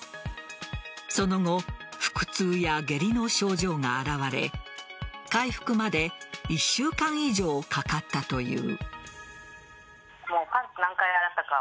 その後、腹痛や下痢の症状が現れ回復まで１週間以上かかったという。